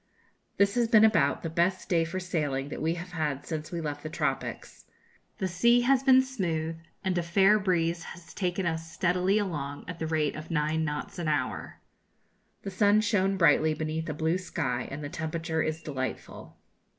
This has been about the best day for sailing that we have had since we left the tropics. The sea has been smooth, and a fair breeze has taken us steadily along at the rate of nine knots an hour. The sun shone brightly beneath a blue sky, and the temperature is delightful.